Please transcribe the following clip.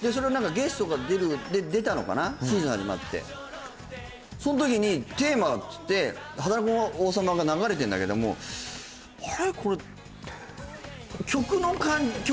ゲストが出たのかなシーズン始まってその時にテーマっつって「はだかの王様」が流れてんだけどもあれ？